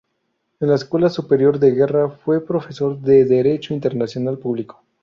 En la Escuela Superior de Guerra, fue profesor de Derecho Internacional Público.